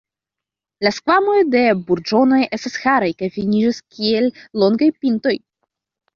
La skvamoj de burĝonoj estas haraj kaj finiĝas kiel longaj pintoj.